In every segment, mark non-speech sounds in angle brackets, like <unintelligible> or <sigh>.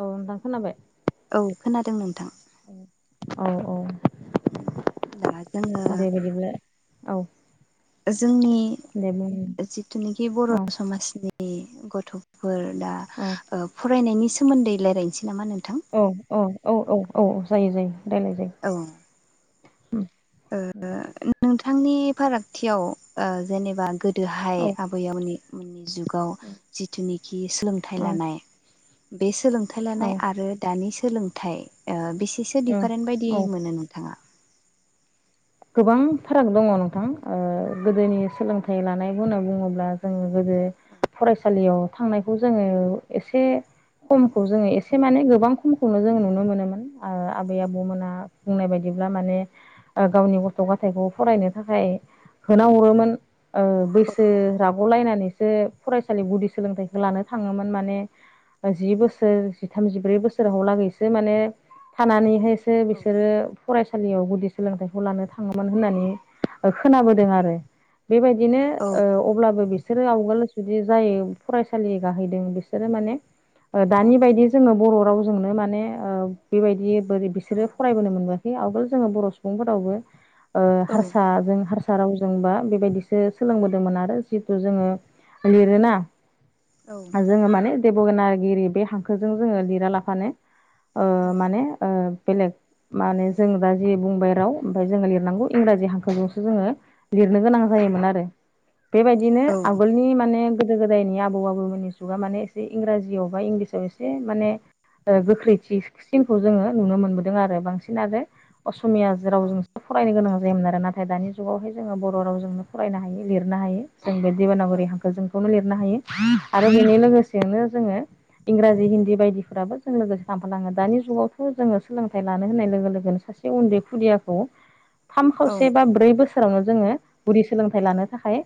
औ नोंथां खोनाबाय। खोनादों नोंथां ओ औ औ। उम दाना जोङो दे बिदिब्ला औ जोंनि दे बुं जिथुनेखि बर' औ समाजनि गथ'फोर दा औ ओ फरायनायनि सोमोन्दै लायरायनसै नामा नों औ औ औ औ औ औ जायो जायो राइलाय जायो उम। ओ नोंथांनि फारागथियाव ओ जेनेबा गो दोहाय औ आबै आबौनि मोनि जुगाव जिथुनिखि सोलोंथाइ लानाय बे सोलोंथाइ औ लानाय आरो दानि सोलोंथाइ ओ बे से औ दिफारेन्ट बायदि औ मोनो नोंथाङा? गोबां फाराग दङ' नोंथां ओ गोदोनि सोलोंथाइ लानाय बुना बुङोब्ला जोङो जे फरायसालियाव थांनायखौ जोङो एसे खमखौ जोङो एसे माने गोबां खमखौनो जोङ नुनो मोनोमोन आ आबै आबौमोना बुंनाय बायदि ब्ला माने ओ गावनि गथ' गथाइखौ फरायनो थाखाय होना हरोमोन ओ बैसो राब'लायनानैसो फरायसालि गुदि सोलोंथाइखौ लानो थाङोमोन माने जि बोसोर जिथाम जिब्रै बोसोर हलागैसो माने थानानैहाय सो औ बिसोरो फरायसालियाव गुदि सोलोंथाइ खौ लानो थाङोमोन होननानै खोनाबोदों आरो बेबायदिनो औ ओ अब्लाबो बि सोरो आवगोल जुदि जायो फरायसालि गाहैदों बिसोरो माने ओ दानि बायदि जोङो बर' रावजोंनो माने ओ बेबायदि बोरै बिसोरो फरायबोनो मोनबोयाखै आवगोल जोङो बर' सुबुंफोरावबो ओ औ हारसाजों हारसा सा रावजोंबा बेबायदिसो सोलोंबोदोंमोन आरो जिथु जोङो लिरोना औ जोङो माने देब'नागिरि बे हांखोजों जोङो लिरा लाफानो ओ माने ओ बेलेग माने जों दा जि बुंबाय राव ओमफाय जोङो लिरनांगौ इंराजि औ हांखोजोंसो जोङो लिरनो गोनां जायोमोन आरो। बेबायदिनो औ आगलनि माने गोदो गोदायनि आबौ आबैमोननि जुगा माने एसे इंराजियाव बा इंग्लिसआव एसे माने गोख्रैथिसिमखौ जोङो नुनो मोनबोदों आरो बांसिन आरो असमिया औ रावजोंसो फरायनो गोनां जायोमोन आरो नाथाय दानि जुगावहाय जोङो बर' रावजोंनो फरायनो हायो लिरनो हायो। जों बे दिबानगुरि हांखो जोंखौनो लिरनो हायो आरो बेनि लोगोसेनो जोङो इंराजि हिन्दी बायदिफोराबो जों लोगोसे थांफालाङो दानि जुगावथ' जोङो सोलोंथाइ लानो होननाय लोगो लोगोनो सासे उन्दै खुदियाखौ थाम औ खावसे बा ब्रै बोसोरावनो जोङो गुुदि सोलोंथाइ लानो थाखाय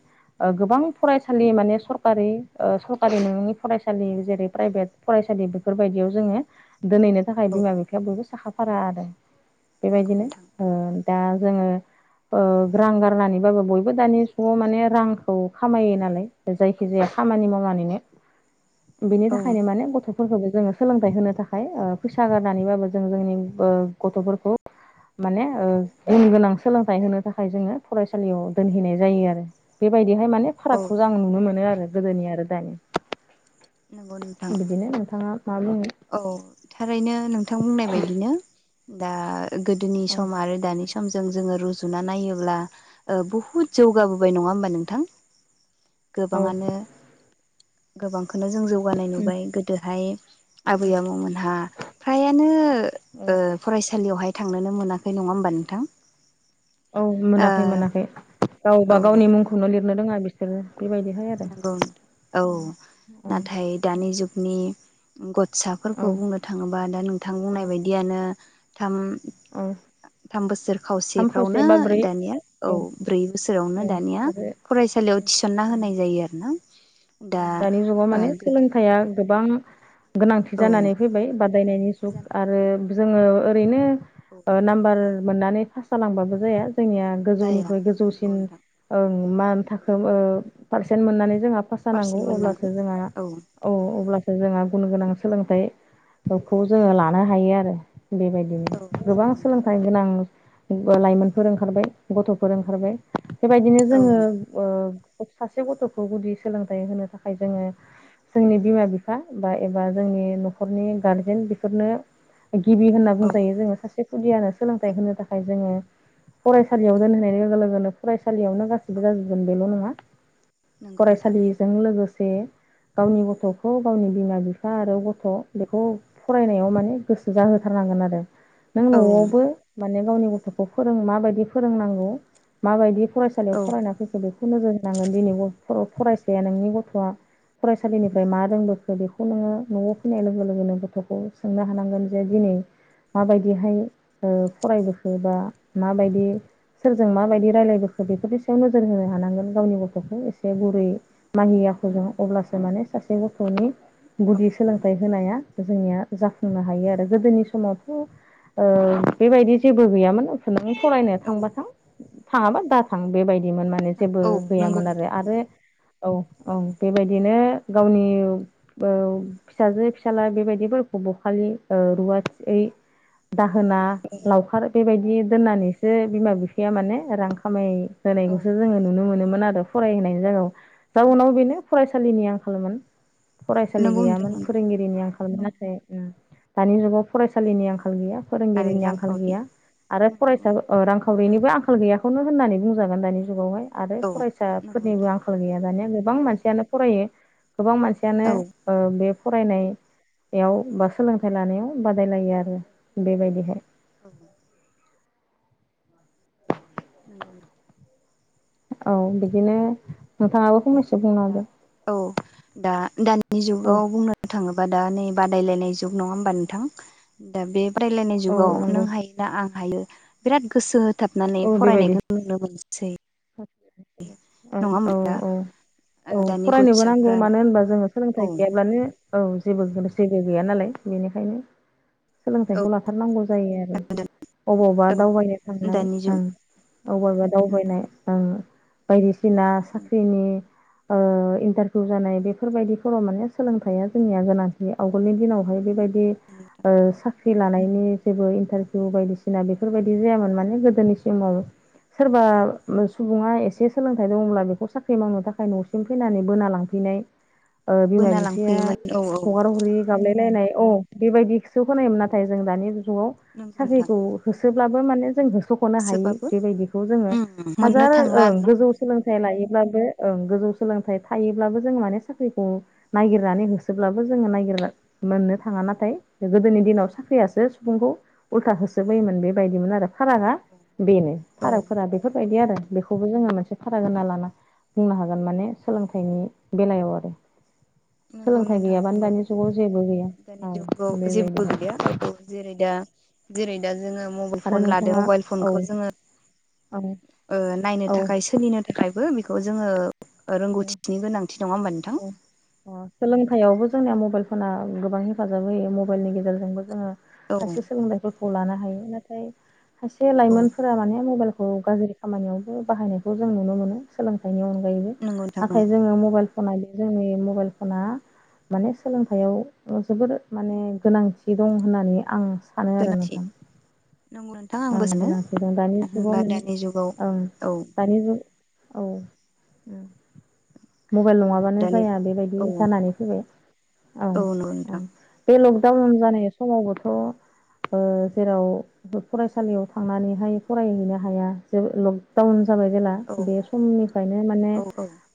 ओ गोबां फरायसालि माने सरकारि ओ सरकारि नोङिनि फरायसालि जेरै प्राइभेट फराय- सालि बेफोरबायदियाव जोङो दोनहैनो थाखाय औ बिमा बिफाया बयबो साखा फारा आरो नोंगौ बेबायदिनो नोंथां। ओ दा जोङो ओ रां गारनानैबाबो बयबो दानि जुगाव माने रांखौ खामायो नालाय जायखिजाया खामानि मावनानैनो <inaudible> बेनि थाखायनो माने गथ' फोरफोरखौबो जोङो सोलोंथाइ होनो थाखाय ओ फैसा गारनानैबाबो जों जोंनि ओ गथ'फोरखौ माने ओ गुन गोनां सोलोंथाइ होनो थाखाय जोङो फरायसालियाव दोनहैनाय जायो आरो बेबायदि बेहाय माने औ फारागखौ आं नुनो मोनो आरो गोदोनि आरो दानि नंगौ नोंथां बिदिनो नोंथाङा मा बुङो? औ थारैनो नोंथां बुंनाय बायदिनो दा गोदोनि औ सम आरो दानि सम ज जो रुजुना नायोब्ला बुहुत जौगाबोबाय नङा हबा नोंथां। औ गोबाङानो गोबांखौनो जों जौगानाय उम नुबाय गोदोहाय आबै उम आबौमोनहा फ्रायानो औ ओ फरायसालि थांनोनो मोनाखै नङा होमबा नोंथां। औ मोनाखै ओ मोनाखै गावबा औ गावनि मुंखौनो लिरनो रोङा बिसोरो बेबायदिहाय आरो नंगौ औ उम औ नाथाय दानि जुगनि गथ औ फिसाफोरखौ बुंनो थाङोबा दा नोंथां औ बुंनाय बायदियानो थाम औ। थाम बोसोर थाम खावसे खावसेफ्रावनो बा ब्रै दानिया औ ब्रै बोसोरावनो औ दानिया आरो फरायसालियाव थिसनना उम होनाय जायो आरो ना दानि जुगाव माने सोलोंथाइया गोबां गोनांथि जानानै फैबाय बादायनायनि गोनांथि जुग जानानै आरो फैबाय जोंङो ओरैनो औ ओ नाम्बार मोननानै पास जालांबाबो जाया जोंनिया जाया गोजौनिख्रुइ नंगौ गोजौसिन नोंथां ओं मा थाखायो ओ पारसेन्ट मोननानै जोंहा पास पारसेन्ट जानांगौ मोननांगौ अब्लासो जोंहा औ अब्लासो जोंहा गुन गोनां सोलोंथाइखौ जोंङो लानो हायो आरो। बेबायदिनो औ नंगौ गोबां नोंथां सोलोंथाइ गोनां ओ लाइमोनफोर ओंखारबाय गथ'फोर ओंखारबाय बेबायदिनो औ जोंङो ओ सासे गथ'खौ गुदि सोलोंथाइ होनो थाखाय जोंङो जोंनि बिमा बिफा बा एबा जोंनि न'खरनि गारजेन बेफोरनो गिबि होनना औ बुंजायो जोंङो सासे खुदियानो सोलोंथाइ होनो थाखाय जोंङो फरायसालियाव दोनहोनाय लोगो लोगोनो फसा सलियावनो गासिबो जाजोबगोन बेल' नङा नंगौ नोंथां फरायसालिजों लोगोसे गावनि गथ'खौ गावनि बिमा बिफा आरो गथ' बेखौ फरायनायाव माने गोसो जाहोथारनाौ थांगोन आरो नों औ न'आवबो माने गावनि गथ'खौ फोरों माबायदि फोरोंनांगौ माबायदि फरायसालियाव औ फरायना फैखो बेखौ नोजोर होनांगोन दिनै फरायसाया नोंनि गथ'आ फरायसालिनि मा रोंबोखो नंगौ बेखौ नोङो न'आव फैनाय लोगो लोगोनो गथ'खौ सोंनो हानांगोन जे दिनै माबायदिहाय ओ फरायबोखो बा माबायदि सोरजों माबायदि रायलायबोखो बेफोरनि सायाव नोजोर होनो हानांगोन गावनि गथ'खौ एसे बे गुरै माहि आखुजों अब्लासो माने सासे गथ'नि औ गुदि सोलोंथाइ होनाया जोंनिया जाफुंनो हायो आरो गोदोनि समावथ' बेबायदि जेबो गैयामोन फरायनो औ थांब थां थाङाबा दाथां बेबायदिमोन माने जेबो औ नंगौ गैयामोन आरो नोंथां आरो नंगौ औ औ बेबायदिनो गावनि फिसाजो फिसाला बेबायदिनो खालि रुवाथि <inaudible> दाहोना औ लावखार बेबायदि दोननानैसो बिमा बिफाया माने रां खामाय औ होनायखौसो जोंङो नुनो मोनोमोन आरो फरायहोनायनि जगायाव जाउनाव नंगौ बेनो फरायसा फरायसालिनि आंखालमोन फरायसालि नंगौ नोंथां गैयामोन नंगौ फोरोंगिरिनि आंखालमोन औ नाथाय दानि जुगाव फरायसालिनि आंखाल गैया आरो फोरोंगिरिनि आंखाल रांखावरि गैया आरो नंगौ फरायसा नोंथां उम रांखावरिनिबो आंखाल गैया खौनो होननानै बुंजागोन दानि जुगावहाय आरो औ फरायसा नंगौ बो नोंथां आंखाल गैया दानिया गोबां मानसियानो फरायो गोबां मानसियानो औ बे फरायनायाव बा सोलोंथाइ लानायाव बादायलायो आरो बेबायदिहाय औ नंगौना औ बिदिनो नोंथाङाबो फंनैसो बुंना दा होदो। औ दा दानि औ जुगाव बुंनो थाङोब्ला हबा दा नै बादायलायनाय जुग नङा होमबा नोंथां दा बे बादायलायनाय औ जुगाव नंगौ नों हायोना आं हायो बिराद गोसो होथाबनानै औ बेबायदि फरायनायखौ नुनो मोनसै औ नङा औ होमबा दा औ औ दानि फरायनोबो नांगौ गथ'साफ्रा मानो होनबा जोङो औ सोलोंथाइ गैयाब्लानो औ जेबो गोन जेबो गैया नालाय बेनिखायनो औ सोलोंथाइखौ लाथारनांगौ जायो आरो अबावबा औ दावबायनो थांनाय दानि जुग ओं अगबा नंगौ दावबायनाय ओं बायदिसिना साख्रिनि ओ इन्टारभिउ जानाय बेफोरबायदिफोराव माने सोलोंथाइया जोंनिया गोनांथि आवगोलनि दिनाव बेहा बेबायदि साख्रि <unintelligible> लानायनि जेबो इन्टारभिउ बायदिसिना बेफोरबायदि जायामोन माने गोदोनि सोरबा सुबुङा एसे सोलोंथाइ दंब्ला बे न'खर साख्रि मावनो थाखाय न'सिम फैनानै बोना लांफैनाय बिमा बोना बिफाया लांफैयोमोन औ औ हगार हरि गाब नाय बेबायदिसो होनायोन नाथाय जों दानि जुगाव नंगौ नोंथां साखरिखौ हो होसोब्लाबो मे जों नो ह एसेबाबो बेबायदिखौ जोङो उम मोननो हाजार थांला आरोना गोजौ नोंथां सोलोंथाइ लायो गोजौ सोलोंथाइ थायोब्लाबो जों माने साख्रिखौ नागिरनानै होसोब्लाबो जोङो मोननो थाङा नाथाय गोदोनि दिनाव साख्रियासो सुबुंखौ उल्था होसोबोयोमोन बेबायदिमोन आरो औ फारागा बेनो औ फारागफोरा औ बेफोरबायदि आरो बेखौबो जोङो मोन एसे फाराग होनना लाना बुंनो हागोन माने सोलोंथाइनि बेलायाव आरो नंगौ सोलोंथाइ नोंथां गैयाबानो औगौ दानि जुगाव जेबो गैया दानि औ जुगाव जेबो बेबायदिहाय गैया औ जेरै दा जेरै दा जोङो मबाइल आरो फन लादों नोंथाङा मबाइल औ फनखौ जोङो औ नायनो औ थाखाय सोलिनो थाखायबो बेखौ बेखौ जोङो रोंगौथिनि गोनांथि नङा होमबा नोंथां औ सोलोंथायाइयावबो जोंनिया मबाइल फना गोबां हेफाजाब होयो मबाइलनि गेजेरजोंबो जोङो औ सासे सोलोंथाइफोरखौ लानो हायो नाथाय सासे औ लाइमोनफोरा माने मबाइलखौ खौ गाज्रि खामानियावबो बाहायनायखौ जों नुनो मोनो सोलोंथाइनि अनगायैबो नंगौ नोंथां नाथाय नंगौ जोङो मबाइल फना जोंनि मबाइल फना माने सोलोंथाइयाव जोबोर माने गोनांथि दं होननानै आं सानो आरो गोनांथि नोंथां <unintelligible> सानो गोनांथि दं दानि मानो जुगाव होनबा माने दानि जुगाव ओं औ दानि जुग औ औ उम। मबाइल नङाबानो दानि जाया बेबायदि औ जानानै फैबाय औ नंगौ औ नोंथां बे लक डाउन जानाय समावबोथ' ओ जेराव फरायसालियाव थांनानैहाय फरायहैनो हाया जे लकडाउन जाबाय जेला औ बे समनिफ्रायनो माने औ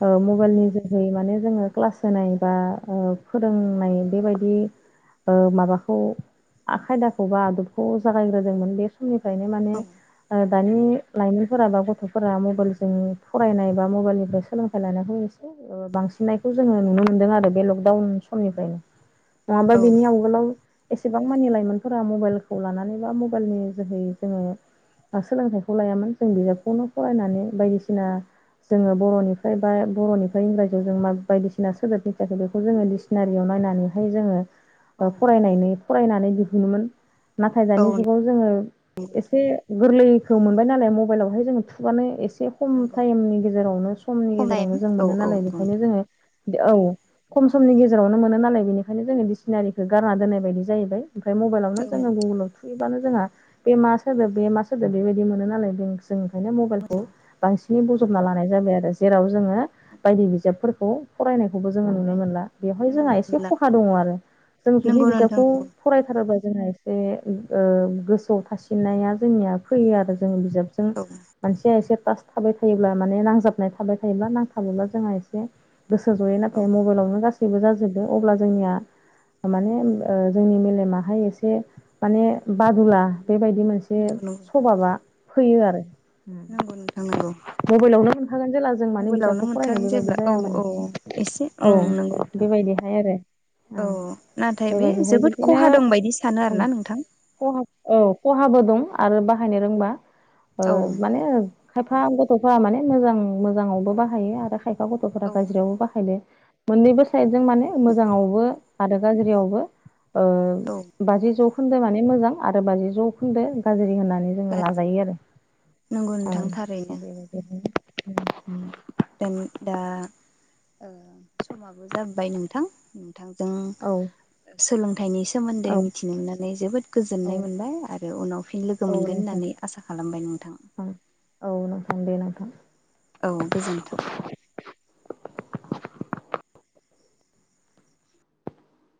ओ मबाइलनि जोहै माने जोङो क्लास होनाय बा ओ फोरोंनाय बेबायदि ओ माबाखौ खायदाखौ बा आदबखौ जागायग्रोदोंमोन बे बे समनिफ्रायनो माने औ ओ दानि लाइमोनफोरा बा गथ'फोरा मबाइलजों फरायनाय बा मबाइलनिफ्राय सोलोंथाइ लानायखौ एसे बांसिननायखौ जोङो नुनो मोनदों आरो बे लकडाउन समनिफ्रायनो नङाबा बिनि आगोलाव एसेबां मानि लाइमोनफोरा मबाइलखौ लानानै बा मबाइलनि जोहै जोङो सोलोंथाइखौ लायामोन जों बिजाबखौनो फरायनानै बायदिसिना जोङो बर'निफ्राय बा बर'निफ्राय इंराजियाव जों मा बायदिसिना सोदोब मिथियाखैखौ जोङो दिक्सनारियावनो बायनानैहाय औ जोङो फरायनायनि फरायनानै दिहुनोमोन नाथाय औ दानि नंगौ जुगाव जोङो नोंथां एसे गोरलैखौ मोनबाय नालाय मबाइलावहाय जों थुुबानो एसे एसे खम नंगौ टाइमनि गेजेरावनो समनि खमायम गेजेरावनो जों औ मोनो औ नालाय नंगौ बेखायनो नोंथां जोङो औ खम समनि गेजेरावनो मोनो नालाय बेनिखायनो जोङो दिसिनारिखो गारना दोननाय बायदि जाहैबाय। ओमफ्राय मबाइलावनो औ जोङो गुगोलाव थुयोबानो जोंहा बे मा सोदोब बे मा सोदोब बेबायदि मोनो नालाय बे जों ओंखायनो मबाइलखौ बांसि नै बजबना लानाय जाबाय आरो जेराव जोङो बायदि बिजाबफोरखौ फरायनाय खौबो जोङो नुनो फरायनो मोनला बेवहाय जोंहा नुनो एसे मोनला खहा दङ आरो जों जुदि नंगौ नोंथां बिजाबखौ नंगौ फरायथारोबा जोंहा एसे ओ गोसोआव थासिननाया जोंनिया फैयो आरो जोङो बिजाबजों औ मानसिया एसे तास थाबाय थायोब्ला माने नांजाबनाय थाबाय थायोब्ला नांथाबोब्ला जोंहा एसे गोसो जयो औ नाथाय मबाइलावनो गासैबो जाजोबदों अब्ला जोंनिया माने ओ जोंनि मेलेमाहाय एसे माने बादुला बेबायदि मोनसे नंगौ नंगौ सभाबा फैयो आरो। नंगौ नोंथां नंगौ मबाइलावनो हागोन जेला जों माने मबाइलावनो बिजाबखौ फरायनो मोनखागोन बेबायदि जेब्ला औ जायामोन औ एसे औ ओं नंगौ नोंथां बेबायदिहाय आरो। औ उम नाथाय बे बेबायदिहाय जोबोद बिदिनो खहा दं बायदि सानो ओं आरोना नोंथां खहा औ। औ खहाबो दं आरो बाहायनो रोंबा ओ औ माने खायफा गथ'फोरा माने मोजां मोजाङावबो बाहायो आरो खायफा गथ'फोरा औ गाज्रियावबो बाहायदो मोननैबो साइदजों माने मोजाङावबो आरो गाज्रियावबो ओ औ बाजि जौखोन्दो माने मोजां आरो बाजि जौखोन्दो गाज्रि होनना नै गाज्रि लाजायो आरो नंगौ औ नोंथां थारैनो बेबायदिनो देन दा ओ समाबो जाबाय नोंथां। नोंथांजों औ सोलोंथाइनि एसे सोमोन्दै औ मिथिनो मोननानै जोबोद औ गोजोननाय मोनबाय आरो उनाव फिन लोगो औ मोनगोन नोंथां होननानै आसा खालामबाय नों थां। ओं दे नोंथां। औ गोजोन्थों।